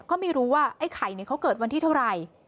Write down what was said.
ก็ไม่รู้ว่าไอ้ไข่เขาเกิดวันที่เท่าไหร่